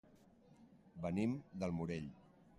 Venim del Morell.